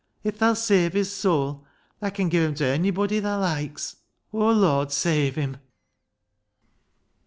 If Tha'll save his soul Thaa can give him ta onybody Thaa loikes. O Lord, save him."